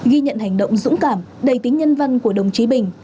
ghi nhận hành động dũng cảm đầy tính nhân văn của đồng chí bình